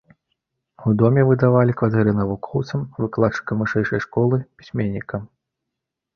У доме выдавалі кватэры навукоўцам, выкладчыкам вышэйшай школы, пісьменнікам.